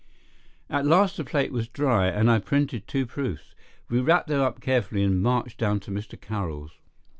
At last the plate was dry, and I printed two proofs. We wrapped them up carefully and marched down to Mr. Carroll's.